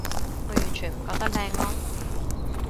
我完全唔覺得靚囉